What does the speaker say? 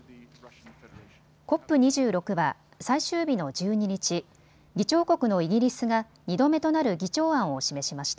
ＣＯＰ２６は最終日の１２日、議長国のイギリスが２度目となる議長案を示しました。